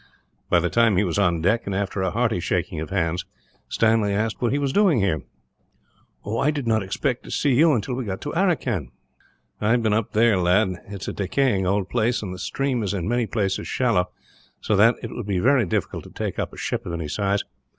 By this time he was on deck, and after a hearty shaking of hands, Stanley asked what he was doing here. "I did not expect to see you until we got to Aracan." "I have been up there, lad. It is a decaying old place, and the stream is in many places shallow; so that it would be very difficult to take up a ship of any size.